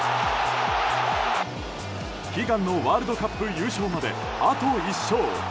悲願のワールドカップ優勝まであと１勝。